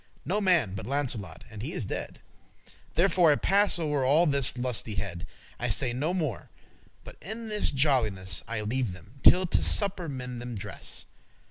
No man but Launcelot,<22> and he is dead. Therefore I pass o'er all this lustihead* *pleasantness I say no more, but in this jolliness I leave them, till to supper men them dress.